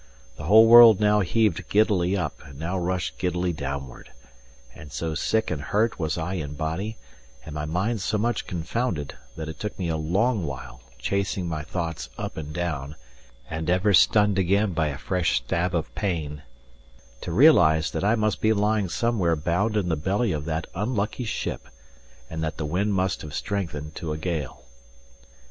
The whole world now heaved giddily up, and now rushed giddily downward; and so sick and hurt was I in body, and my mind so much confounded, that it took me a long while, chasing my thoughts up and down, and ever stunned again by a fresh stab of pain, to realise that I must be lying somewhere bound in the belly of that unlucky ship, and that the wind must have strengthened to a gale.